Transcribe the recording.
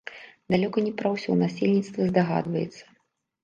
Далёка не пра ўсе насельніцтва здагадвацца.